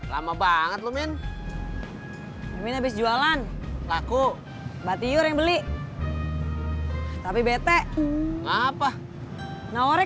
lama banget lu min min habis jualan laku batiyur yang beli tapi bete ngapa nawarnya